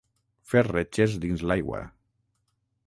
Fer retxes dins l'aigua.